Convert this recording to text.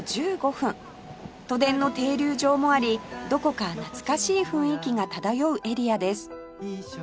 都電の停留場もありどこか懐かしい雰囲気が漂うエリアです